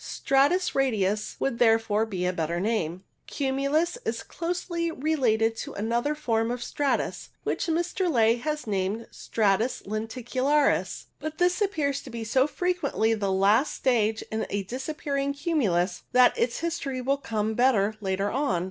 Stratus radius would therefore be a better name. Cumulus is closely related to another form of stratus, which Mr. Ley has named stratus lenticu laris, but this appears to be so frequently the last stage in a disappearing cumulus that its history will come better later on.